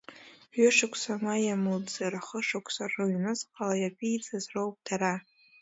Ҩышықәса, ма иамуӡар хышықәса рыҩнуҵҟала иаԥиҵаз роуп дара.